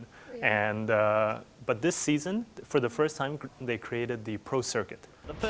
tapi pada musim ini untuk pertama kalinya mereka membuat pro circuit